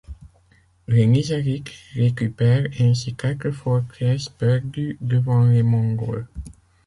Les Nizârites récupèrent ainsi quatre forteresses perdues devant les Mongols.